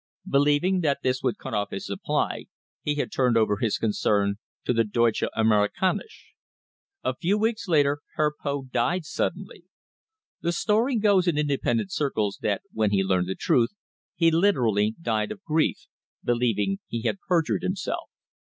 Believing that this would cut off his supply, he had turned over his concern to the Deutsche Amerikanische. A few weeks later Herr Poth died suddenly. The story goes in independent circles that when he learned the truth he literally died of grief, believing he had perjured himself.